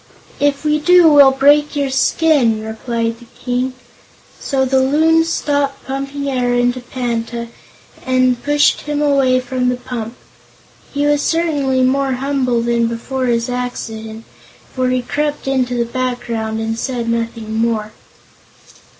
"If we do we'll break your skin," replied the King. So the Loons stopped pumping air into Panta, and pushed him away from the pump. He was certainly more humble than before his accident, for he crept into the background and said nothing more.